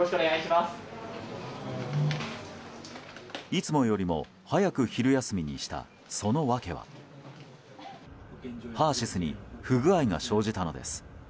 いつもよりも早く昼休みにしたその訳はＨＥＲ‐ＳＹＳに不具合が生じたのです。